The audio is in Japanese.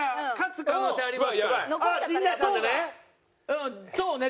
うんそうね。